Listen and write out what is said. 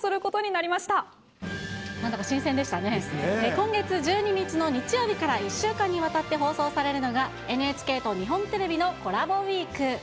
今月１２日の日曜日から１週間にわたって放送されるのが、ＮＨＫと日本テレビのコラボウイーク。